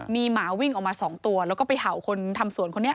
มีหมาวิ่งออกมา๒ตัวแล้วก็ไปเห่าคนทำสวนคนนี้